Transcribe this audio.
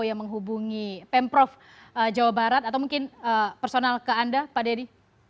yang menghubungi pemprov jawa barat atau mungkin personal ke anda pak dedy